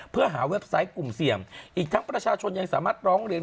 เพื่อหาเว็บไซต์กลุ่มเสี่ยงอีกทั้งประชาชนยังสามารถร้องเรียน